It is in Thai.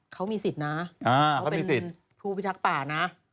เขามีสิทธิ์นะเขาเป็นผู้พิทักษ์ป่านะ